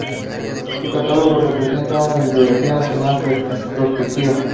Su catálogo representa una bibliografía nacional retrospectiva.